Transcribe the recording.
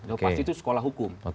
lepas itu sekolah hukum